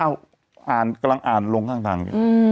กำลังอ่านลงทาง